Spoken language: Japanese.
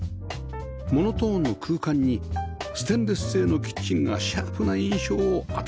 モノトーンの空間にステンレス製のキッチンがシャープな印象を与えます